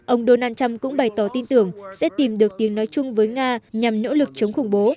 ông donald trump cũng bày tỏ tin tưởng sẽ tìm được tiếng nói chung với nga nhằm nỗ lực chống khủng bố